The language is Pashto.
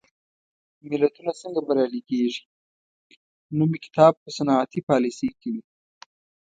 ملتونه څنګه بریالي کېږي؟ نومي کتاب په صنعتي پالېسۍ کوي.